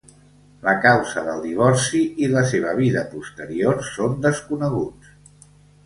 La causa del divorci i la seva vida posterior són desconeguts.